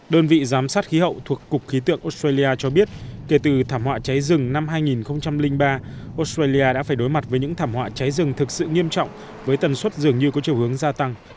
đơn vị giám sát khí hậu thuộc cục khí tượng australia cho biết kể từ thảm họa cháy rừng năm hai nghìn ba australia đã phải đối mặt với những thảm họa cháy rừng thực sự nghiêm trọng với tần suất dường như có chiều hướng gia tăng